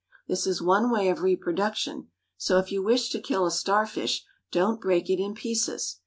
This is one way of reproduction, so if you wish to kill a star fish don't break it in pieces.